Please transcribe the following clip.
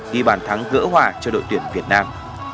ghi bàn thắng gỡ hòa cho đội tuyển việt nam